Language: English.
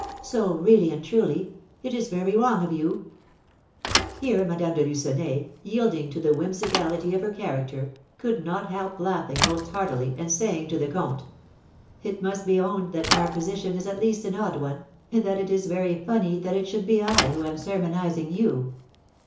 So, really and truly, it is very wrong of you " Here Madame de Lucenay, yielding to the whimsicality of her character, could not help laughing most heartily, and saying to the comte: "It must be owned that our position is at least an odd one, and that it is very funny that it should be I who am sermonising you."